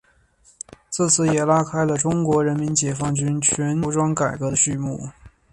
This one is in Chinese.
自此也拉开了中国人民解放军全军服装改革的序幕。